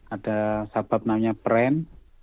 ada sabab namanya peren